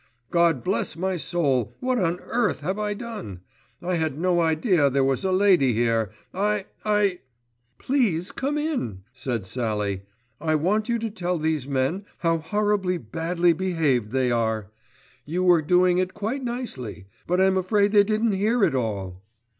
"God bless my soul, what on earth have I done? I had no idea there was a lady here. I—I—" "Please come in," said Sallie, "I want you to tell these men how horribly badly behaved they are. You were doing it quite nicely; but I am afraid they didn't hear it all."